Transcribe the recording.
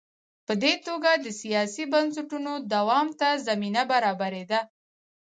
په دې توګه د سیاسي بنسټونو دوام ته زمینه برابرېده.